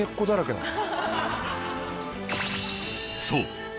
そう。